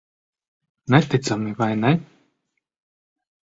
Neticami, vai ne?